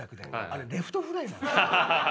あれレフトフライなんですよ。